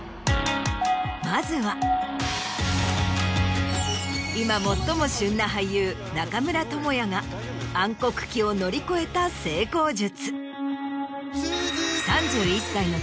まずは今最も旬な俳優中村倫也が暗黒期を乗り越えた成功術。